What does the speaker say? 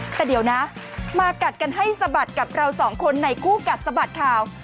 แต่เดี๋ยวนะมากัดกันให้สะบัดกับเราสองคนในคู่กัดสะบัดข่าว